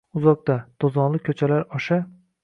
Uzoqda, to’zonli ko’chalar osha